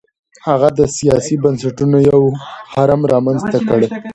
هغه د سیاسي بنسټونو یو هرم رامنځته کړل.